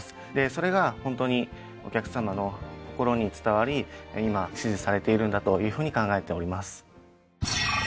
それがホントにお客さまの心に伝わり今支持されているんだというふうに考えております。